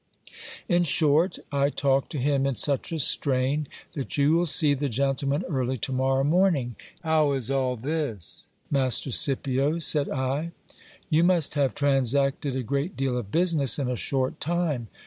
In short, I talked to him in such a strain, that you will see the gentleman early to morrow morning. How is all this, Master Scipio ? said I. You must have transacted a great deal of business in a short time.